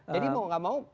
jadi mau gak mau